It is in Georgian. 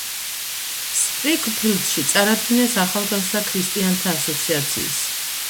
სპრიფგფილდში წარადგინეს ახალგაზრდა ქრისტიანთა ასოციაციის